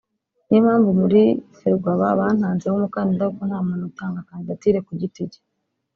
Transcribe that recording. niyo mpamvu muri Ferwaba bantanzeho umukandida kuko nta muntu utanga kandidatire ku giti cye